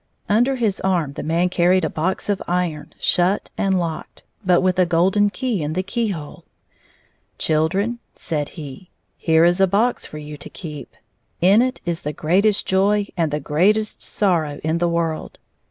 Under his arm the man carried a box of u:on, shut and locked, but with a golden key in the keyhole. " Children," said he, " here is a box for you to keep. In it is the greatest joy and the greatest sorrow in the world.